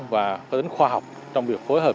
và tính khoa học trong việc phối hợp